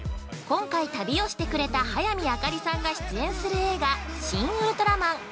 ◆今回、旅をしてくれた早見あかりさんが出演する映画「シン・ウルトラマン」